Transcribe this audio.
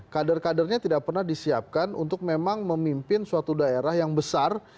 kader kadernya tidak pernah disiapkan untuk memang memimpin suatu daerah yang besar